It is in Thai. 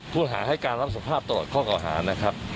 หาให้การรับสภาพตลอดข้อเก่าหานะครับ